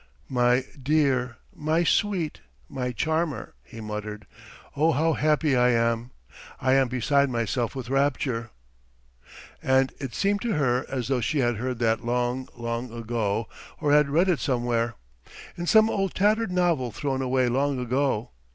"My dear, my sweet, my charmer," he muttered. "Oh how happy I am! I am beside myself with rapture!" And it seemed to her as though she had heard that long, long ago, or had read it somewhere ... in some old tattered novel thrown away long ago.